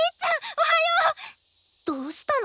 おはよう！どうしたの？